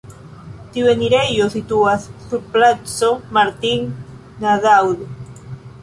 Tiu enirejo situas sur Placo Martin-Nadaud.